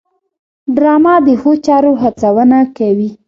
ډرامه د ښو چارو هڅونه کوي